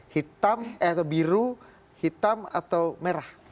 hitam atau biru hitam atau merah